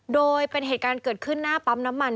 โดยเป็นเหตุการณ์เกิดขึ้นหน้าปั๊มน้ำมัน